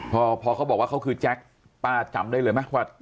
พอพอเขาบอกว่าเขาคือแจ็คป้าจำได้เลยไหมว่า